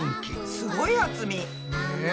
すごい厚み。ね！